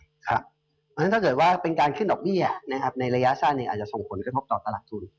เพราะฉะนั้นถ้าเกิดว่าเป็นการขึ้นดอกเบี้ยในระยะสั้นอาจจะส่งผลกระทบต่อตลาดทุน